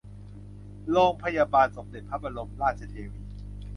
โรงพยาบาลสมเด็จพระบรมราชเทวี